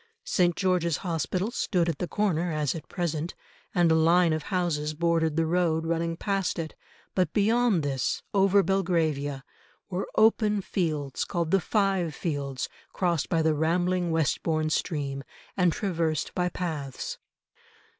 St. George's Hospital stood at the corner as at present, and a line of houses bordered the road running past it, but beyond this, over Belgravia, were open fields called the Five Fields crossed by the rambling Westbourne stream, and traversed by paths.